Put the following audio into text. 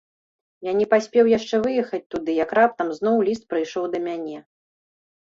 Я не паспеў яшчэ выехаць туды, як раптам зноў ліст прыйшоў да мяне.